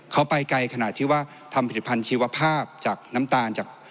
เขาไปไกลขนาดที่ว่าทำผลิตภัณฑ์ชีวภาพจากน้ำตาลจาก